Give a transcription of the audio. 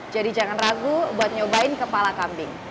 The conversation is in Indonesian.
jadi jangan ragu buat nyobain kepala kambing